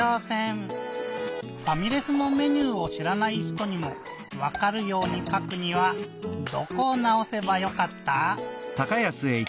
ファミレスのメニューをしらない人にもわかるようにかくにはどこをなおせばよかった？